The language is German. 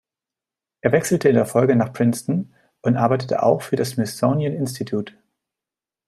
Er wechselte in der Folge nach Princeton und arbeitete auch für das Smithsonian Institute.